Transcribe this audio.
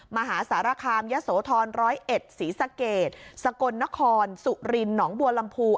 มหาสารคามยะโสธร๑๐๑ศรีสะเกดสกลนครสุรินหนองบัวลำพู